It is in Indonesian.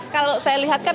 kalau saya lihat kan